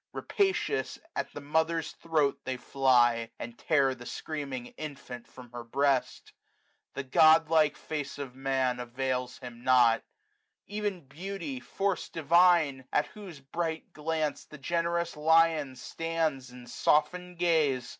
Rapacious, at the mother's throat they fly. And tear the screaming infant from her breast. The godlike face of Man avails him nought. Ev'n beauty, force divine! at whose bright glance 405 The generous lion stands in softened gaze.